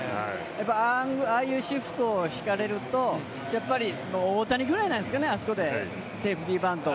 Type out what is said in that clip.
ああいうシフトを敷かれると、大谷ぐらいなんですかね、あそこでセーフティバント。